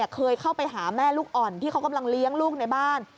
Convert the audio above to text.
เคยเข้าไปหาแม่ลูกอ่อนที่เขากำลังเลี้ยงลูกในบ้าน